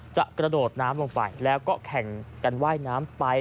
กระโดดน้ำลงไปแล้วก็แข่งกันว่ายน้ำไป